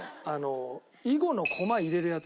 囲碁の駒入れるやつ。